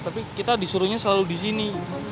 tapi kita disuruhnya selalu di sini